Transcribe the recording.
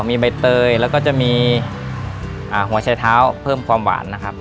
มีใบเตยแล้วก็จะมีหัวชายเท้าเพิ่มความหวานนะครับ